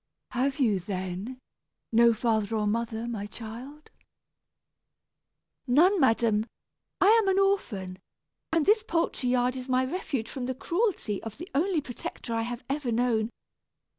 "Have you, then, no father or mother, my child?" "None, madam; I am an orphan, and this poultry yard is my refuge from the cruelty of the only protector I have ever known.